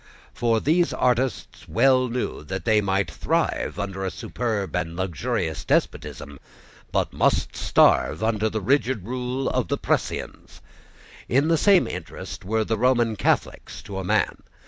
For these artists well knew that they might thrive under a superb and luxurious despotism, but must starve under the rigid rule of the precisians. In the same interest were the Roman Catholics to a man.